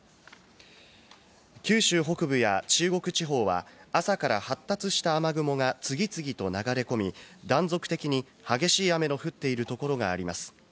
九州北部や中国地方は、朝から発達した雨雲が次々と流れ込み、断続的に激しい雨の降っているところがあります。